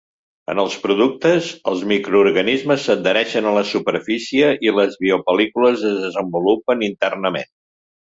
En els productes, els microorganismes s'adhereixen a les superfícies i les biopel·lícules es desenvolupen internament.